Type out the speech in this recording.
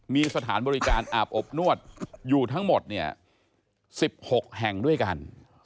มีสถานบริการอาบอบนวดอยู่ทั้งหมด๑๖แห่งด้วยกัน